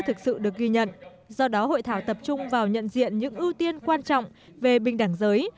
thực sự được ghi nhận do đó hội thảo tập trung vào nhận diện những ưu tiên quan trọng về bình đẳng giới